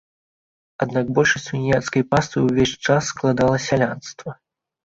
Аднак большасць уніяцкай паствы ўвесь час складала сялянства.